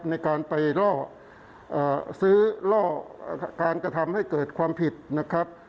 ในการไปล่อซื้อล่อการกระทำให้เกิดความผิดนะครับ